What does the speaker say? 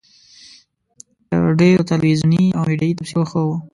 تر ډېرو تلویزیوني او میډیایي تبصرو ښه وه.